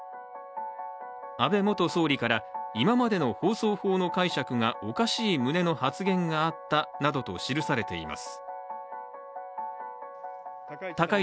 安倍元総理から今までの放送法の解釈がおかしい旨の発言があったなどと記されています。